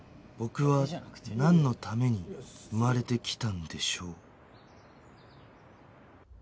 僕はなんのために生まれてきたんでしょう？